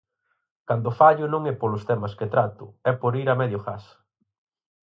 Cando fallo non é polos temas que trato, é por ir a medio gas.